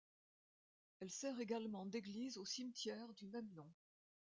Elle sert également d'église au cimetière du même nom.